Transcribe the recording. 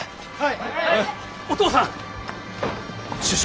はい。